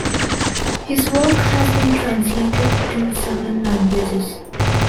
His work has been translated to several languages.